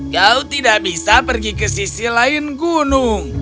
kau tidak bisa pergi ke sisi lain gunung